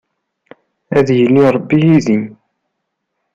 Ad yili Ṛebbi yid-i.